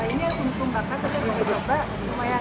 ini yang sum sum bakar tapi kalau di jawa lumayan